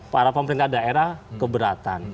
para pemerintah daerah keberatan